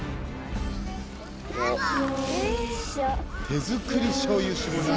「手作りしょうゆ搾り機」